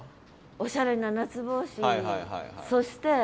おしゃれな夏帽子にそして